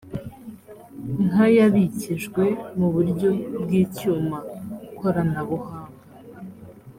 nk ayabikijwe mu buryo bw icyuma koranabuhanga